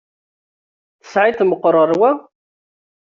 Tesεiḍ-t meqqer ɣer wa?